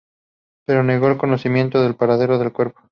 Pero negó el conocimiento del paradero del cuerpo.